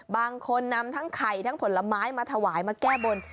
บางคนนำทั้งไข่ทั้งผลไม้มาถวายมาแก้บน